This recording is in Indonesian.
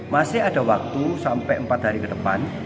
masih ada waktu sampai empat hari ke depan